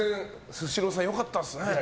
スシローさん良かったですね。